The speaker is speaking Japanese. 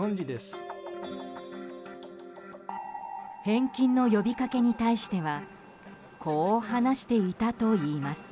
返金の呼びかけに対してはこう話していたといいます。